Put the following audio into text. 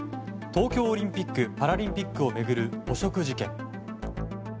東京オリンピック・パラリンピックを巡る汚職事件。